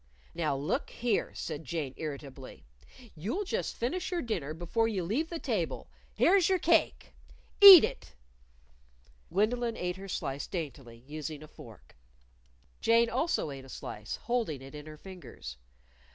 "Now look here," said Jane irritably, "you'll just finish your dinner before you leave the table. Here's your cake. Eat it!" Gwendolyn ate her slice daintily, using a fork. Jane also ate a slice holding it in her fingers.